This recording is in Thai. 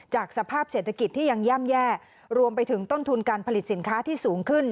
สภาพเศรษฐกิจที่ยังย่ำแย่รวมไปถึงต้นทุนการผลิตสินค้าที่สูงขึ้น